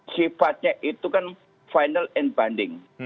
sifatnya itu kan final and banding